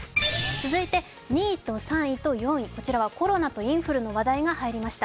続いて２位と３位と４位、コロナとインフルの話題が入りました。